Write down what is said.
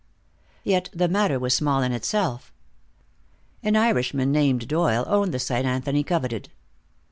Yet the matter was small in itself. An Irishman named Doyle owned the site Anthony coveted.